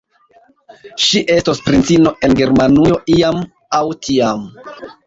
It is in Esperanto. Ŝi estos princino en Germanujo, iam aŭ tiam.